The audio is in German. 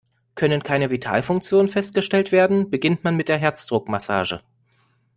Können keine Vitalfunktionen festgestellt werden, beginnt man mit der Herzdruckmassage.